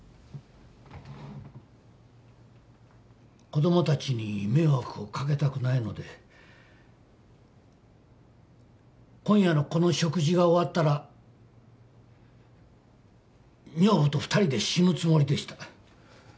子供たちに迷惑をかけたくないので今夜のこの食事が終わったら女房と２人で死ぬつもりでした。